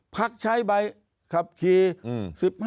พักใช้ไปขับขี่